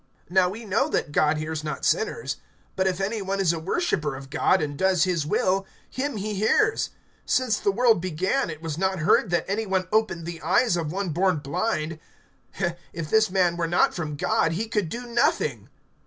(31)Now we know that God hears not sinners. But if any one is a worshiper of God, and does his will, him he hears. (32)Since the world began, it was not heard that any one opened the eyes of one born blind. (33)If this man were not from God, he could do nothing.